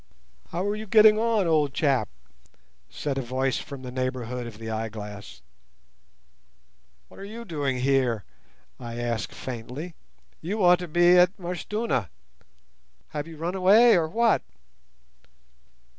"How are you getting on, old chap?" said a voice from the neighbourhood of the eyeglass. "What are you doing here?" I asked faintly. "You ought to be at M'Arstuna—have you run away, or what?"